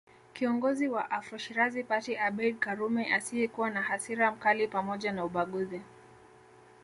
Kiongozi wa Afro Shirazi Party Abeid karume asiyekuwa na hasira mkali pzmoja na ubaguzi